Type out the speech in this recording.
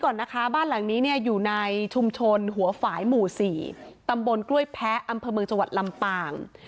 ก่อนนะคะบ้านหลังนี้เนี่ยอยู่ในชุมชนหัวฝ่ายหมู่๔ตำบลกล้วยแพ้อำเภอเมืองจังหวัดลำปาง